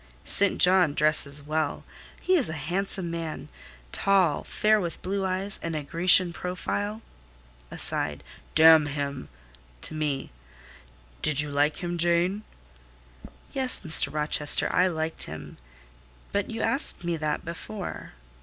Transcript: "St. John dresses well. He is a handsome man: tall, fair, with blue eyes, and a Grecian profile." (Aside.) "Damn him!"—(To me.) "Did you like him, Jane?" "Yes, Mr. Rochester, I liked him: but you asked me that before."